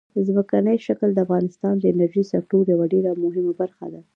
ځمکنی شکل د افغانستان د انرژۍ سکتور یوه ډېره مهمه برخه ده.